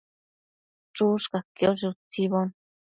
Chushcaushi utsibo